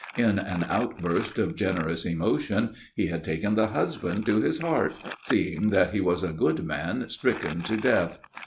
In an outburst of generous emotion he had taken the husband to his heart, seeing that he was a good man stricken to death.